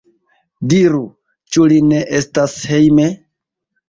Diru, ĉu li ne estas hejme?